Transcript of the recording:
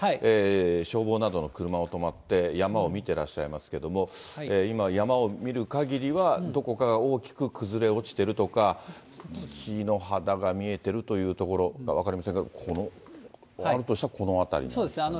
消防などの車も止まって、山を見てらっしゃいますけれども、今、山を見るかぎりは、どこかが大きく崩れ落ちてるとか、土の肌が見えているような所、分かりませんけれども、あるとしたら、この辺りですかね。